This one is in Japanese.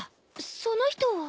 その人は？